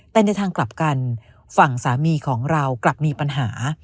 แต่ในทางกลับกันฝั่งสามีของเรากลับมีปัญหา